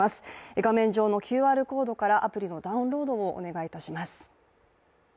画面上のＱＲコードからアプリのダウンロードをお願いいたします。